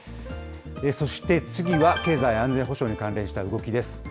そして次は、経済安全保障に関連した動きです。